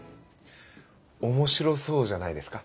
面白そうじゃないですか。